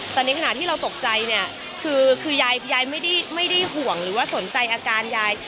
แต่ในขณะที่เราตกใจเนี่ยคือยายไม่ได้ห่วงหรือว่าสนใจอาการยาย